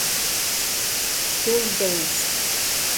Sir James!